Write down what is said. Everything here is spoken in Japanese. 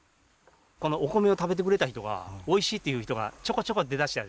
このお米を食べてくれた人が「おいしい」っていう人がちょこちょこ出だしたんですよね。